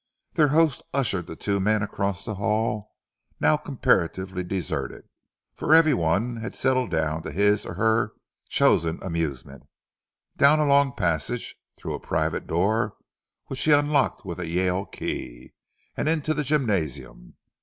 Their host ushered the two men across the hall, now comparatively deserted, for every one had settled down to his or her chosen amusement down a long passage, through a private door which he unlocked with a Yale key, and into the gymnasium.